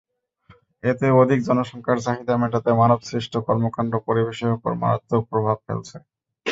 এতে অধিক জনসংখ্যার চাহিদা মেটাতে মানবসৃষ্ট কর্মকাণ্ড পরিবেশের ওপর মারাত্মক প্রভাব ফেলছে।